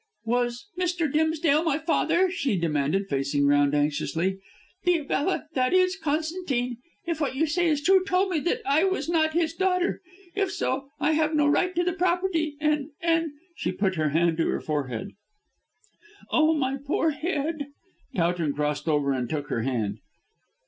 "Was Mr. Dimsdale my father?" she demanded facing round anxiously. "Diabella that is, Constantine, if what you say is true told me that I was not his daughter. If so, I have no right to the property, and and " She put her hand to her forehead, "Oh, my poor head!" Towton crossed over and took her hand.